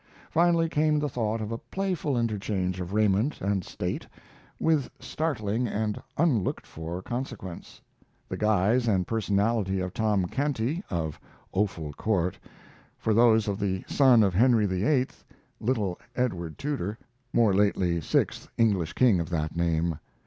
Finally came the thought of a playful interchange of raiment and state (with startling and unlooked for consequence) the guise and personality of Tom Canty, of Offal Court, for those of the son of Henry VIII., little Edward Tudor, more lately sixth English king of that name.